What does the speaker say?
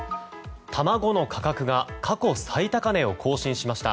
卵の価格が過去最高値を更新しました。